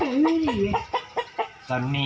ต้องเงียบต้องเงียบ